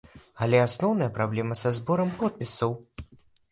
Але асноўная праблема са зборам подпісаў.